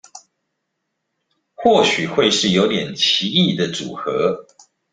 或許會是有點奇異的組合